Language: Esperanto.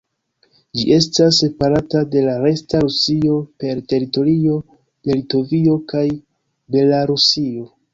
Ĝi estas separata de la "resta" Rusio per teritorio de Litovio kaj Belarusio.